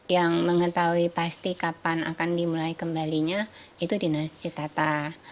yang mengetahui pasti kapan akan dimulai kembalinya itu dinas citata